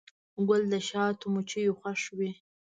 ګل د شاتو مچیو خوښ وي.